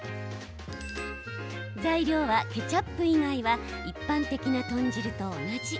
材料は、ケチャップ以外は一般的な豚汁と同じ。